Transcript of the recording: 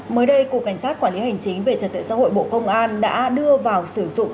mới đây cục cảnh sát quản lý hành chính về trật tự xã hội bộ công an đã đưa vào sử dụng